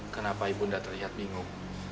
kenapa ibu nda terlihat bingung